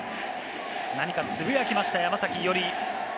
何かつぶやきました、山崎伊織。